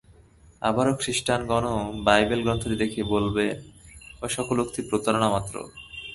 আবার খ্রীষ্টানগণও বাইবেল গ্রন্থটি দেখিয়ে বলবেন, ও-সকল উক্তি প্রতারণামাত্র।